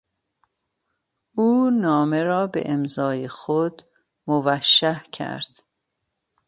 او نامه را به امضای خود موشح کرد.